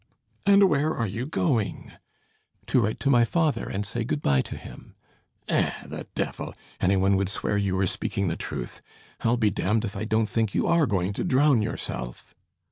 "And where are you going?" "To write to my father and say good bye to him." "Eh! the devil! Any one would swear you were speaking the truth. I'll be damned if I don't think you are going to drown yourself."